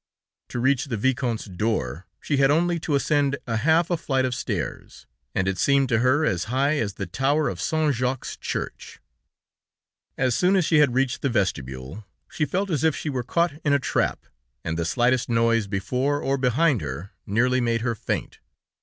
To reach the Viscount's door, she had only to ascend a half a flight of stairs, and it seemed to her as high as the tower of Saint Jacques' Church. As soon as she had reached the vestibule, she felt as if she were caught in a trap, and the slightest noise before or behind her, nearly made her faint.